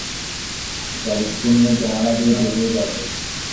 যারীদকে নিয়ে জানালা দিয়ে বেরিয়ে যাও।